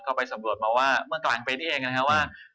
ก็ไปสำรวจมาว่าเมื่อกลางปีนี้เองนะครับว่า